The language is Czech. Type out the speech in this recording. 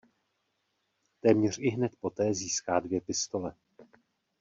Téměř ihned poté získá dvě pistole.